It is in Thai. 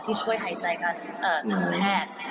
ช่วยหายใจกับทางแพทย์